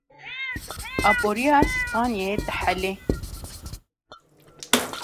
Aboriya Spanyayê dihile.